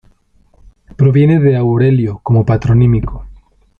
Proviene de Aurelio, como patronímico.